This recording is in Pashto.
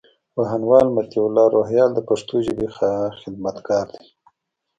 پوهنوال مطيع الله روهيال د پښتو ژبي خدمتګار دئ.